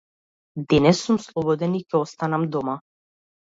Денес сум слободен и ќе останам дома.